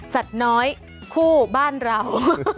สัตว์น้อยคู่บ้านเรา